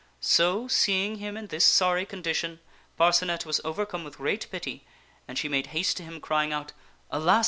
So, seeing him in this sorry con dition, Parcenet was overcome with great pity, and she made haste to him crying out, " Alas